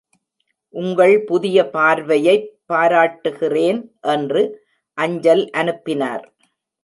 உங்கள் புதிய பார்வையைப் பாராட்டுகிறேன் என்று அஞ்சல் அனுப்பினார்.